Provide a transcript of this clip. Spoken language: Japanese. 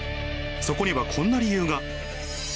そこにはこんな理由が。